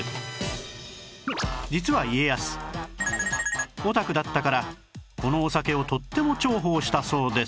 実は家康オタクだったからこのお酒をとっても重宝したそうです